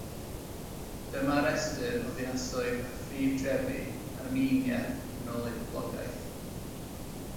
Dyma restr o ddinasoedd a phrif drefi Armenia yn ôl eu poblogaeth.